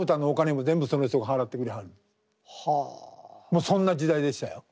もうそんな時代でしたよ。